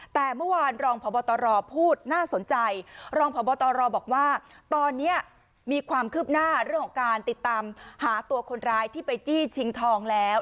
แต่เมื่อวานรองพบตรพูดน่าสนใจรองพบตรบอกว่าตอนนี้มีความคืบหน้าเรื่องของการติดตามหาตัวคนร้ายที่ไปจี้ชิงทองแล้ว